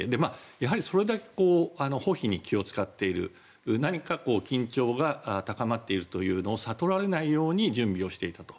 やはりそれだけ気を使っている何か緊張が高まっているというのを悟られないように気をつけていると。